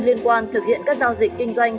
liên quan thực hiện các giao dịch kinh doanh